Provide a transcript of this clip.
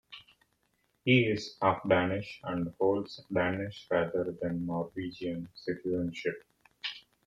He is half Danish and holds Danish rather than Norwegian citizenship.